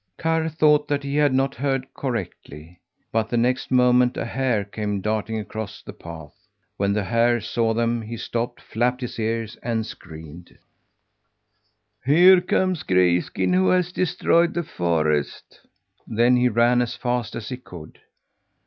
Karr thought that he had not heard correctly, but the next moment a hare came darting across the path. When the hare saw them, he stopped, flapped his ears, and screamed: "Here comes Grayskin, who has destroyed the forest!" Then he ran as fast as he could.